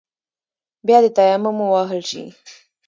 بيا دې تيمم ووهل شي.